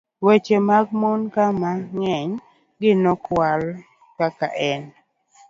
weche mag mon ka, ma ng'eny gi nokwal kaka en